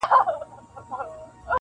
یو ځل بیا له خپل دښمنه په امان سو -